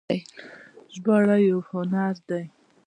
ژباړه یو هنر دی